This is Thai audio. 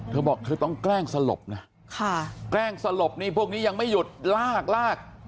เธอบอกเธอต้องแกล้งสลบนะค่ะแกล้งสลบนี่พวกนี้ยังไม่หยุดลากลาก